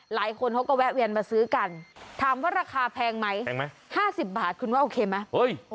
หลายคนเขาก็แวะเวียนมาซื้อกันถามว่าราคาแพงไหมแพงไหม๕๐บาทคุณว่าโอเคไหม